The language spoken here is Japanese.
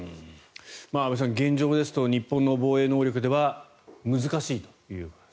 安部さん、現状ですと日本の防衛能力では難しいと。